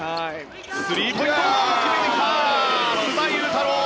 スリーポイント決めてきた須田侑太郎！